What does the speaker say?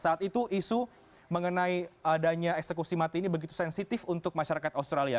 saat itu isu mengenai adanya eksekusi mati ini begitu sensitif untuk masyarakat australia